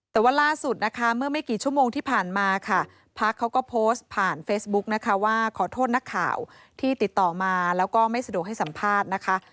แต่ว่าล่าสุดนะคะเมื่อไม่กี่ชั่วโมงที่ผ่านมาค่ะพักเขาก็โพสต์ผ่านเฟซบุ๊กนะคะว่าขอโทษนักข่าวที่ติดต่อมาแล้วก็ไม่สะดวกให้สัมภาษณ์นะคะ